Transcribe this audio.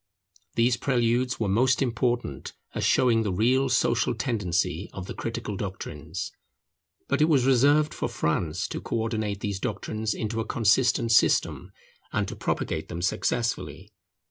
These preludes were most important, as showing the real social tendency of the critical doctrines. But it was reserved for France to co ordinate these doctrines into a consistent system and to propagate them successfully.